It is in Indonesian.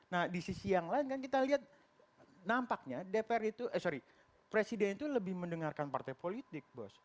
nah di sisi yang lain kan kita lihat nampaknya dpr itu eh sorry presiden itu lebih mendengarkan partai politik bos